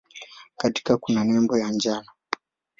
Katikati kuna nembo ya njano.